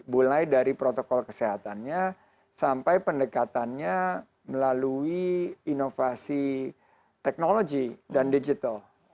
mulai dari protokol kesehatannya sampai pendekatannya melalui inovasi teknologi dan digital